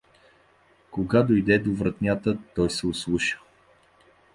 Кога дойде до вратнята, той се ослуша.